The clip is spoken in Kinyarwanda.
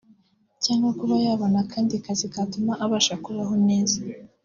cyangwa kuba yabona akandi kazi katuma abasha kubaho neza